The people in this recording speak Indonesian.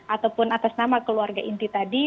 ataupun atas nama keluarga inti tadi